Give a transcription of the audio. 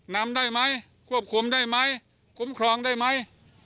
นำได้ไหมควบคุมได้ไหมคุ้มครองได้ไหม